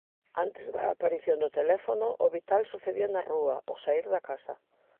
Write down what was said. Antes da aparición do teléfono, o vital sucedía na rúa, ao saír da casa.